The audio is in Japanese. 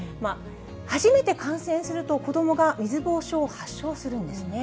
初めて感染すると、子どもが水ぼうそうを発症するんですね。